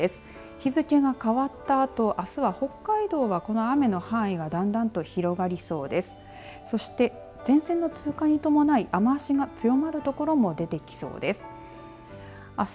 日付が変わったあとあすは北海道はこの雨の範囲がだんだんと広がりそうです。